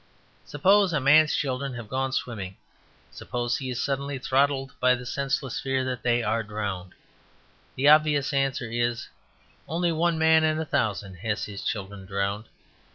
Suppose a man's children have gone swimming; suppose he is suddenly throttled by the senseless fear that they are drowned. The obvious answer is, "Only one man in a thousand has his children drowned."